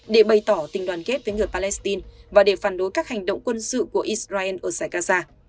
để bày tỏ tình đoàn kết với người palestine và để phản đối các hành động quân sự của israel ở giải gaza